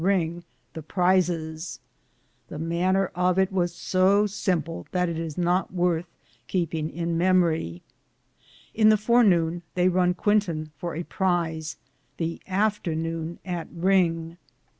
Ringe the prizis ; the maner of it was so simple, that it is not worthe keping in memorye. In the fore noune they Run Quintan for a prize, the after noone at Ringe.